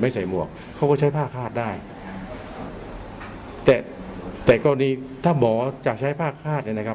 ไม่ใส่หมวกเขาก็ใช้ผ้าคาดได้แต่แต่กรณีถ้าหมอจะใช้ผ้าคาดเนี่ยนะครับ